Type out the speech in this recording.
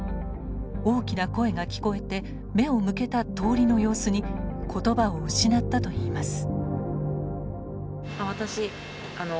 大きな声が聞こえて目を向けた通りの様子に言葉を失ったといいます。